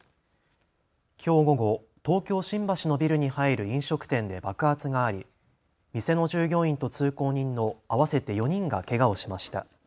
きょう午後、東京新橋のビルに入る飲食店で爆発があり店の従業員と通行人の合わせて４人がけがをしました。